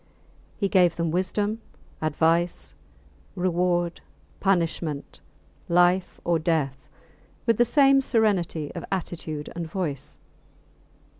He gave them wisdom, advice, reward, punishment, life or death, with the same serenity of attitude and voice.